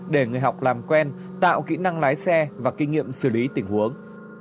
để người học làm quen tạo kỹ năng lái xe và kinh nghiệm xử lý tình huống